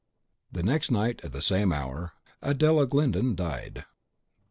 The next night, at the same hour, Adela Glyndon died.